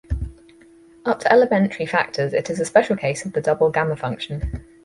Up to elementary factors, it is a special case of the double gamma function.